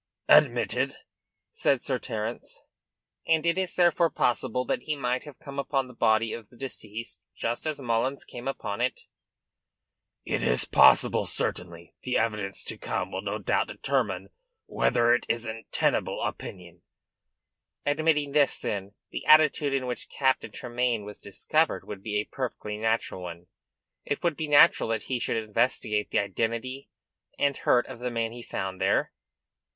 "Admitted," said Sir Terence. "And it is therefore possible that he might have come upon the body of the deceased just as Mullins came upon it?" "It is possible, certainly. The evidence to come will no doubt determine whether it is a tenable opinion." "Admitting this, then, the attitude in which Captain Tremayne was discovered would be a perfectly natural one? It would be natural that he should investigate the identity and hurt of the man he found there?"